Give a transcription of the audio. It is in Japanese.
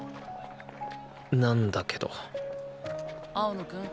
なんだけど青野くん。